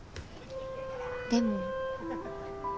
でも。